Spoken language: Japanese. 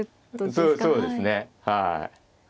そうそうですねはい。